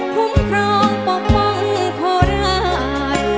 คุ้มครองปกป้องโคราช